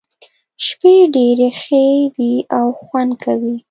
شپې ډېرې ښې دي او خوند کوي.